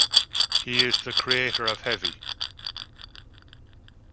He is the creator of heavy!